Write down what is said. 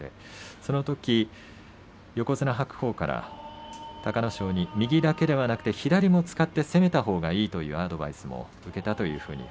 そのとき横綱白鵬から隆の勝に右だけではなく左も使って攻めたほうがいいというアドバイスを受けたということです。